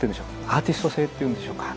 アーティスト性っていうんでしょうか。